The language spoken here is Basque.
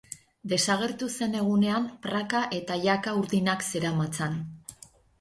Desagertu zen egunean praka eta jaka urdinak zeramatzan.